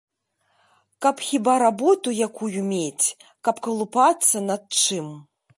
Каб хіба работу якую мець, каб калупацца над чым.